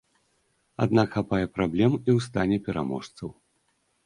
Аднак хапае праблем і ў стане пераможцаў.